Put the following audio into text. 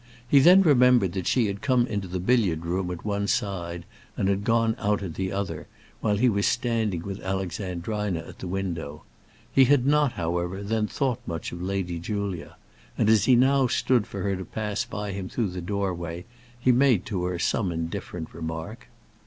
He then remembered that she had come into the billiard room at one side, and had gone out at the other, while he was standing with Alexandrina at the window. He had not, however, then thought much of Lady Julia; and as he now stood for her to pass by him through the door way, he made to her some indifferent remark.